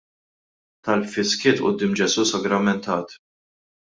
Talb fis-skiet quddiem Ġesù sagramentat.